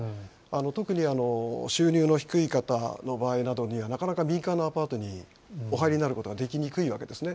特に収入の低い方の場合などには、なかなか民間のアパートにお入りになることができにくいわけですね。